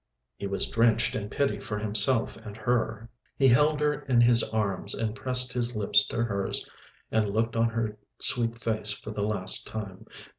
He was drenched in pity for himself and her. He held her in his arms, and pressed his lips to hers and looked on her sweet face for the last time.